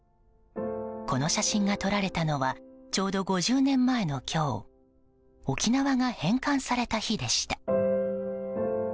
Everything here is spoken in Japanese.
この写真が撮られたのはちょうど５０年前の今日沖縄が返還された日でした。